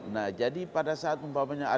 nah jadi kita tidak dapat mendapatkan kendala